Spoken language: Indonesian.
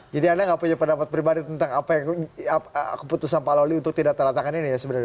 jadi anda nggak punya pendapat pribadi tentang apa yang keputusan pak lawli untuk tidak teratakan ini ya sebenarnya